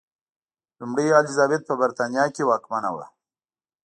لومړۍ الیزابت په برېټانیا کې واکمنه وه.